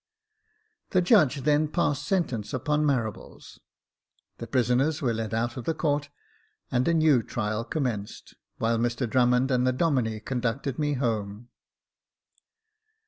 The judge then passed the sentence upon Marables, the prisoners were led out of court, and a new trial commenced ; while Mr Drummond and the Domine conducted me home.